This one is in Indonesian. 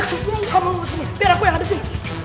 kamu ini tiada aku yang ngadepin